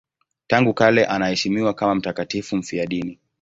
Tangu kale anaheshimiwa kama mtakatifu mfiadini.